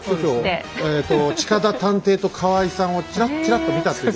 えと近田探偵と河合さんをチラッチラッと見たっていうことは。